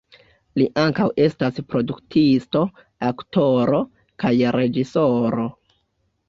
Li ankaŭ estas produktisto, aktoro, kaj reĝisoro.